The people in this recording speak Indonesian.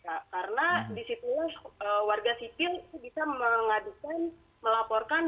karena disitulah warga sipil bisa mengadukan melaporkan